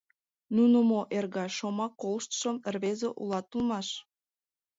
— Ну мо, эргаш, шомак колыштшо рвезе улат улмаш!